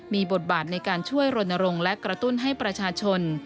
มีบทบาทในการช่วยรณรงค์และกระตุ้นให้ประชาชน